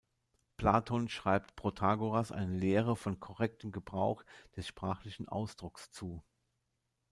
Platon schreibt Protagoras eine Lehre vom korrekten Gebrauch des sprachlichen Ausdrucks zu.